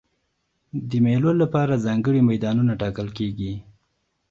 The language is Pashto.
د مېلو له پاره ځانګړي میدانونه ټاکل کېږي.